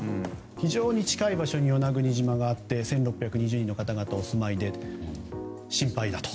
非常に近い場所に与那国島があって１６２０人の方々がお住まいで心配だと。